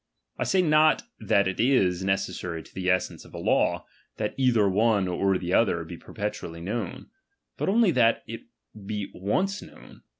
I say not that it is necessary to the essence of a law, that either one or the other be perpetually known, but only that it be once known.